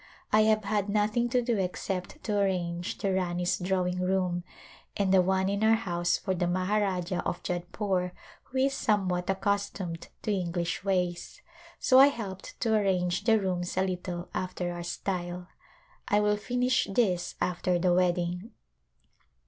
I have had nothing to do except to arrange the Rani's drawing room, and the one in our house for the Maharajah of Jodhpore who is somewhat ac A Royal Wedding customed to English ways, so I helped to arrange the rooms a little after our style. I will finish this after the wedding.